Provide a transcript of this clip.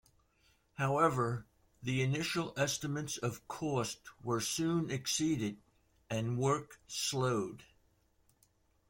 However, the initial estimates of cost were soon exceeded, and work slowed.